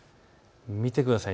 見てください。